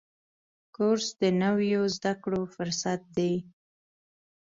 کورس د نویو زده کړو فرصت دی.